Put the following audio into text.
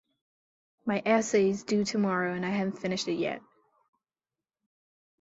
My essay is due tomorrow and I haven't finished it yet!